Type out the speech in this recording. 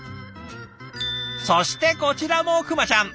そしてこちらもくまちゃん。